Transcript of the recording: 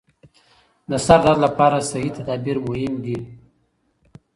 د سردرد لپاره صحي تدابیر مهم دي.